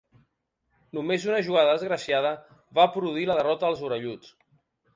Només una jugada desgraciada va produir la derrota dels orelluts.